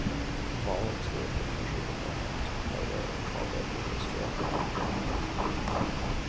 Vall toured the country beforehand to promote it and called it a "historical opportunity".